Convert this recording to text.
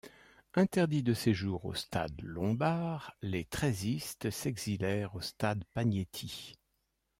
Interdits de séjour au stade Lombard, les treizistes s'exilèrent au stade Pagnetti.